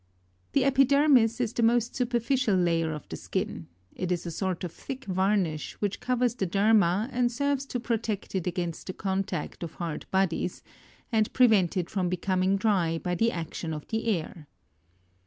1 1. The epidermis is the most superficial layer of the skin ; it is a sort of thick varnish which covers the derma and serves to protect it against the contact of hard bodies, and prevent it from Decerning dry by the action of the air.